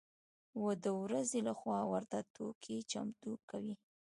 و د ورځې له خوا ورته توکي چمتو کوي.